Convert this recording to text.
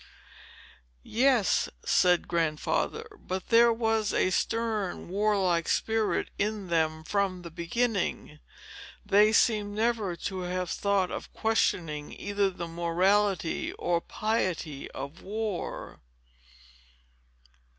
"Yes," said Grandfather; "but there was a stern warlike spirit in them, from the beginning. They seem never to have thought of questioning either the morality or piety of war."